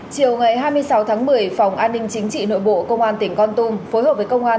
chiều ngày hai mươi sáu tháng một mươi phòng an ninh chính trị nội bộ công an tỉnh con tum phối hợp với công an